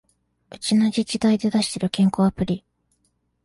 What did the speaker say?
うちの自治体で出してる健康アプリ